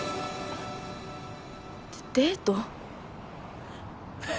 デート？